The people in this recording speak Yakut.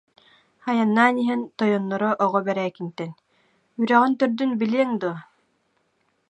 Айаннаан иһэн, тойонноро Оҕо Бэрээкинтэн: «Үрэҕиҥ төрдүн билиэҥ дуо